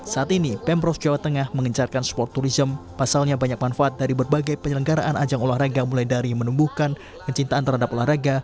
saat ini pemprov jawa tengah mengencarkan sport tourism pasalnya banyak manfaat dari berbagai penyelenggaraan ajang olahraga mulai dari menumbuhkan kecintaan terhadap olahraga